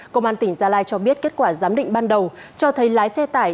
công an tỉnh gia lai cho biết kết quả giám định ban đầu cho thấy lái xe tải